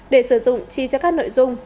để sử dụng chi cho các nội dung